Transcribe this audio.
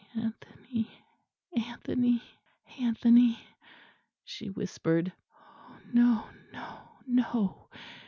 "Anthony, Anthony, Anthony!" she whispered. "Oh, no, no, no!"